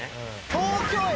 東京駅。